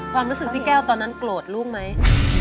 ความรู้สึกพี่แก้วตอนนั้นโกรธลูกไหม